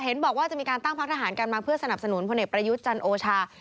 บอกว่าจะมีการตั้งพักทหารกันมาเพื่อสนับสนุนพลเอกประยุทธ์จันโอชา